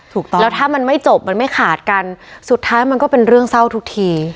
ถูกต้องแล้วถ้ามันไม่จบมันไม่ขาดกันสุดท้ายมันก็เป็นเรื่องเศร้าทุกที